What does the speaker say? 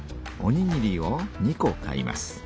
おにぎりを２こ買います。